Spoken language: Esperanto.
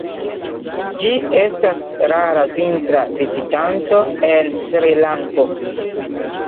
Ĝi estas rara vintra vizitanto en Srilanko.